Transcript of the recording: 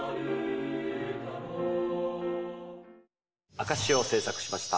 「証」を制作しました。